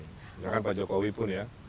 misalkan pak jokowi pun ya